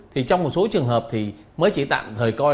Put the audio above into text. thì trong một số trường hợp thì mới chỉ tạm thời coi